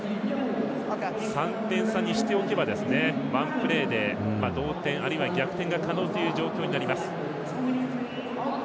３点差にしておけばワンプレーで同点、あるいは逆転が可能という状況になります。